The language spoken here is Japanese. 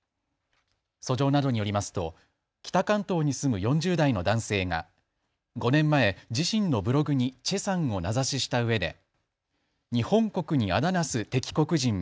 訴状などによりますと北関東に住む４０代の男性が５年前、自身のブログに崔さんを名指ししたうえで日本国に仇なす敵国人め。